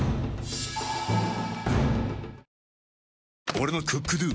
俺の「ＣｏｏｋＤｏ」！